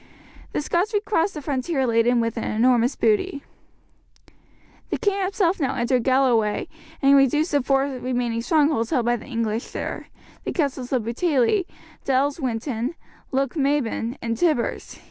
The Scots recrossed the frontier laden with an enormous booty. The king himself now entered Galloway and reduced the four remaining strongholds held by the English there the castles of Butele, Dalswinton, Lochmaben, and Tibbers.